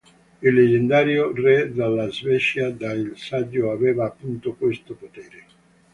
Il leggendario re della Svezia Dag il saggio aveva, appunto, questo potere.